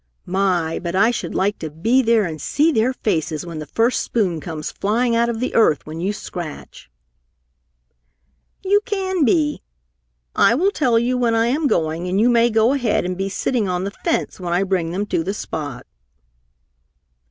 "My, but I should like to be there and see their faces when the first spoon comes flying out of the earth when you scratch!" "You can be. I will tell you when I am going and you may go ahead and be sitting on the fence when I bring them to the spot."